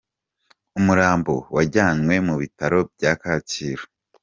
Umurambo wajyanywe mu bitaro bya Kacyiru.